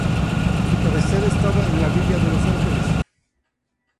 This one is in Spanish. Su cabecera estaba en la Villa de Los Ángeles.